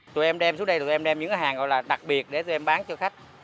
tụi em đem xuống đây tụi em đem những cái hàng gọi là đặc biệt để tụi em bán cho khách